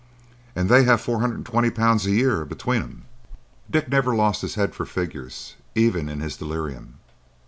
"And they have four hundred and twenty pounds a year between 'em. Dick never lost his head for figures, even in his delirium.